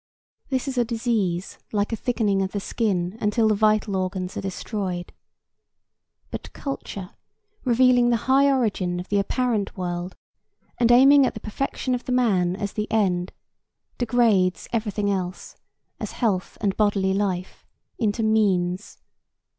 This is a disease like a thickening of the skin until the vital organs are destroyed. But culture, revealing the high origin of the apparent world and aiming at the perfection of the man as the end, degrades every thing else, as health and bodily life, into means.